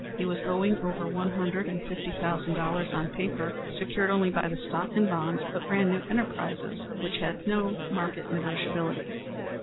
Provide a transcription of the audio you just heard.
He was owing over one hundred and fifty thousand dollars on paper secured only by the stock and bonds of brand new enterprises, which had no market negotiability.